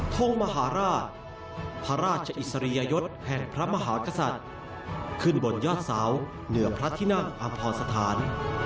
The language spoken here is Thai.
ทงมหาราชพระราชอิสริยยศแห่งพระมหากษัตริย์ขึ้นบนยอดเสาเหนือพระที่นั่งอภสถาน